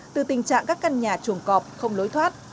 từ tình trạng các căn nhà trùng cọp không nối thoát